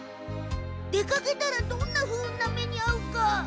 出かけたらどんな不運な目にあうか。